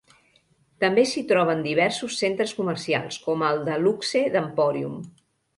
També s'hi troben diversos centres comercials, com el de luxe The Emporium.